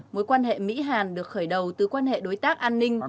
mối quan hệ mỹ hàn được khởi đầu từ quan hệ đối tác an ninh